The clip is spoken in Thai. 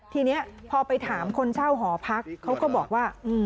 ทีนี้พอไปถามคนเช่าหอพักเขาก็บอกว่า